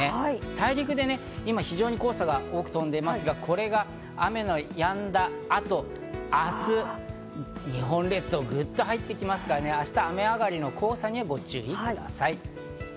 大陸で今、非常に黄砂が多く飛んでいますが、これが雨がやんだ後、明日、日本列島にグッと入ってきますから、明日、雨上がりの黄砂にご注意ください。